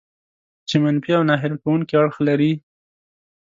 چې منفي او ناهیله کوونکي اړخ لري.